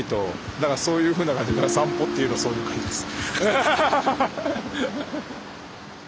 だからそういうふうな感じ散歩っていうのはそういう感じです。